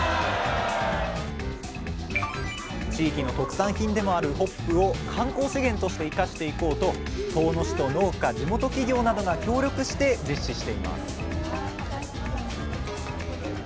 地域の特産品でもあるホップを観光資源として生かしていこうと遠野市と農家地元企業などが協力して実施しています